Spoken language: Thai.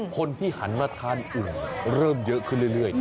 คนที่หันมาทานอุ่นเริ่มเยอะขึ้นเรื่อย